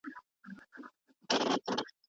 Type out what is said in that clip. هيڅکله